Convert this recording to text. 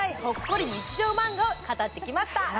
ほっこり日常マンガを語ってきました